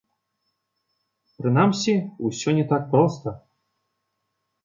Прынамсі, усё не так проста.